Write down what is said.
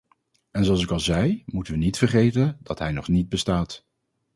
En zoals ik al zei, moeten we niet vergeten dat hij nog niet bestaat.